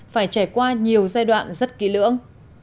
phải trải qua nhiều giai đoạn rất kỳ lưỡng